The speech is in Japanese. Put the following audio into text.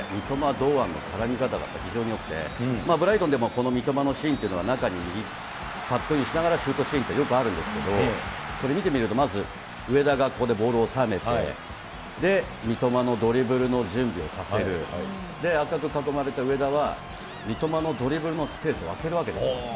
それに対して三笘、堂安の絡み方が非常によくて、ブライトンでもこの三笘のシーンっていうのは中にカットインしながらシュートシーン、よくあるんですけど、これ見てみるとまず上田がここでボールをおさめて、で、三笘のドリブルの準備をさせる、赤く囲まれた上田は三笘のドリブルもスペースを空けるわけですよ。